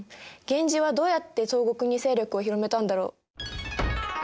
源氏はどうやって東国に勢力を広めたんだろう？